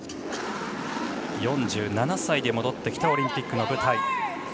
４７歳で戻ってきたオリンピックの舞台。